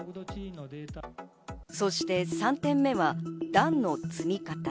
そして３点目は段の積み方。